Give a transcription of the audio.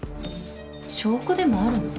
証拠でもあるの？